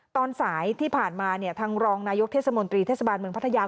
ตอนสายที่ผ่านมาเนี่ยทางรองนายกเทศมนตรีเทศบาลเมืองพัทยา